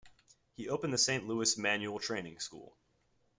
He opened the Saint Louis Manual Training School.